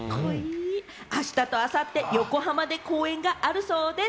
あしたとあさって横浜で公演があるそうです。